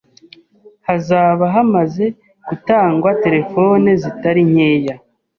hazaba hamaze gutangwa telefoni zitari nkeya